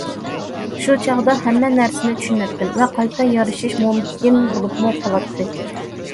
شۇ چاغدا ھەممە نەرسىنى چۈشىنەتتىم ۋە قايتا يارىشىش مۇمكىن بولۇپمۇ قالاتتى.